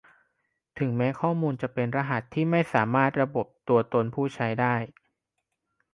ถึงแม้ข้อมูลจะเป็นรหัสที่ไม่สามารถระบบตัวตนผู้ใช้ได้